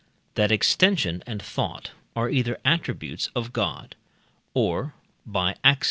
That extension and thought are either attributes of God or (by Ax.